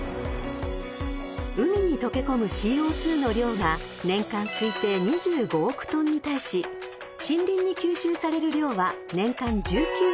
［海に溶け込むＣＯ２の量が年間推定２５億ｔに対し森林に吸収される量は年間１９億ｔ］